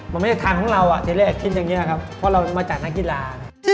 มันไม่ใช่ทางของเราที่แรกคิดอย่างนี้ครับเพราะเรามาจากนักกีฬา